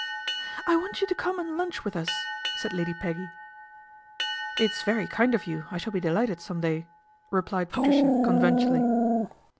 " I want you to come and lunch with us," said Lady Peggy. " It's very kind of you, I shall be delighted some day," replied Patricia conventionally.